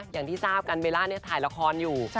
อย่างที่ทราบกันเบลล่าเนี่ยถ่ายละครอยู่